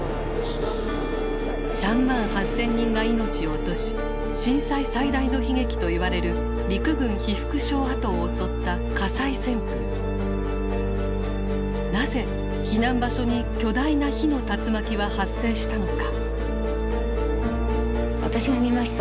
３万８，０００人が命を落とし震災最大の悲劇といわれるなぜ避難場所に巨大な火の竜巻は発生したのか。